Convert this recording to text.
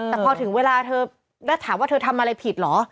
แต่พอถึงเวลาเธอถามว่าเธอทำอะไรผิดเหรอ